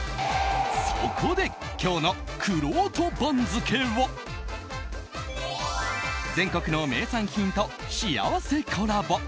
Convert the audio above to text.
そこで、今日のくろうと番付は全国の名産品と幸せコラボ。